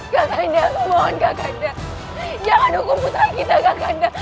kakanda mohon kakanda jangan hukum putra kita kakanda